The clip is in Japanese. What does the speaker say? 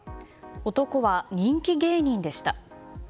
男は人気芸人でした。